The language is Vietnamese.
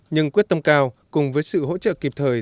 nhưng quyết tâm cao cùng với sự hỗ trợ kịp thời